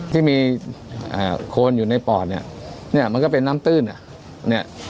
ที่มีโคนอยู่ในปอดเนี่ยมันก็เป็นน้ำตื้นน่ะ